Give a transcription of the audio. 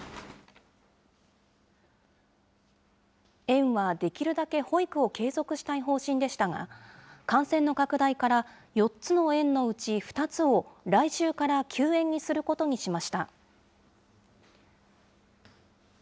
園はできるだけ保育を継続したい方針でしたが、感染の拡大から４つの園のうち２つを来週から休園にすることにしました。